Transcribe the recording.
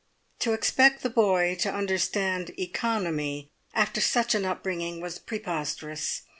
"To expect the boy to understand economy after such an upbringing was preposterous.